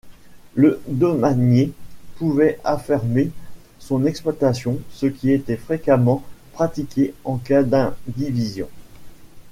Le domanier pouvait affermer son exploitation ce qui était fréquemment pratiqué en cas d'indivision.